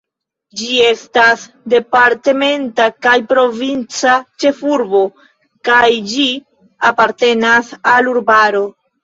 Ĝi estas departementa kaj provinca ĉefurbo kaj ĝi apartenas al urbaro.